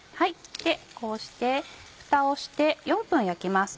こうしてふたをして４分焼きます。